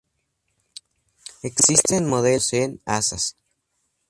Existen modelos que poseen asas.